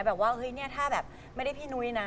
แบบว่าเฮ้ยเนี่ยถ้าแบบไม่ได้พี่นุ้ยนะ